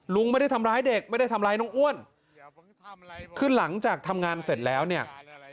ลุงไม่ได้ทำร้ายเด็กไม่ได้ทำร้ายน้องอ้วนคือหลังจากทำงานเสร็จแล้วเนี่ย